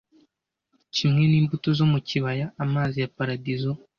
kimwe n'imbuto zo mu kibaya, amazi ya paradizo